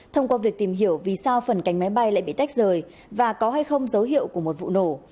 thông qua việc tìm hiểu vì sao phần cánh máy bay lại bị tách rời và có hay không dấu hiệu của một vụ nổ